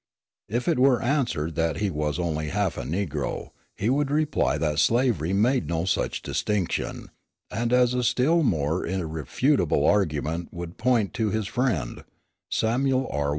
If it were answered that he was only half a negro, he would reply that slavery made no such distinction, and as a still more irrefutable argument would point to his friend, Samuel R.